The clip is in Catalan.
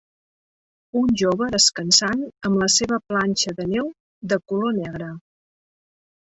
Un jove descansant amb la seva planxa de neu de color negre.